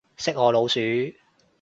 識我老鼠